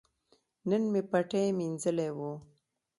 نن مې پټی مینځلي وو.